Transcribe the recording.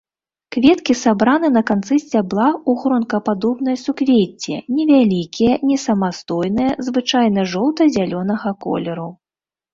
Кветкі сабраны на канцы сцябла ў гронкападобнае суквецце, невялікія, несамастойныя, звычайна жоўта-зялёнага колеру.